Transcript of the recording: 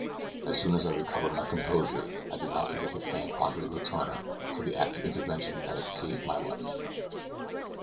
As soon as I recovered my composure, I did not forget to thank Andre Letourneur for the act of intervention that had saved my life.